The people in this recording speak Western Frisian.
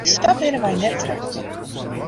Sa binne wy net troud.